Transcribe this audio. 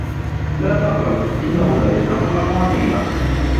لا تقلق. إنهُ لا يفهم الألمانية.